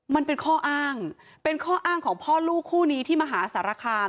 มันเป็นข้ออ้างเป็นข้ออ้างของพ่อลูกคู่นี้ที่มหาสารคาม